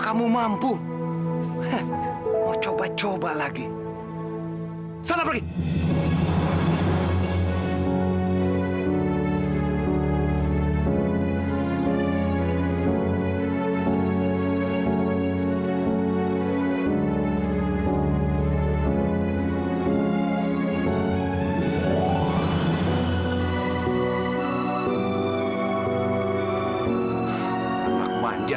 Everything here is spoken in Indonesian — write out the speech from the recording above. sampai jumpa di video selanjutnya